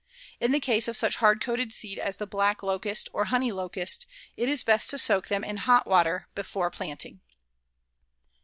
In the case of such hard coated seed as the black locust or honey locust, it is best to soak them in hot water before planting.